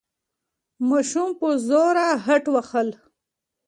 ماشوم په زوره خټ وهل.